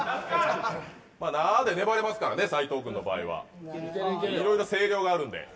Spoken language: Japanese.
なーで粘れますからね斉藤君の場合はいろいろ声量があるんで。